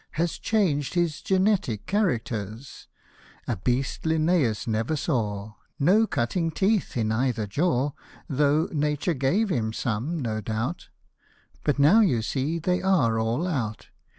Has changed his generic characters, A beast Linnaeus never saw ; No cutting teeth in either jaw, Though nature gave him some, no doubt ; But now you see they all are out.